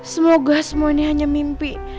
semoga semua ini hanya mimpi